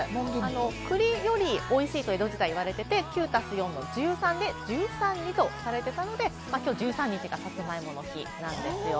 栗よりおいしいと江戸時代、言われていて、９＋４、１３で十三里とされていたので、きょうはサツマイモの日なんですよ。